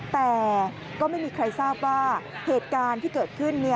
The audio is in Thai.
แต่ก็ไม่มีใครทราบว่าเหตุการณ์ที่เกิดขึ้น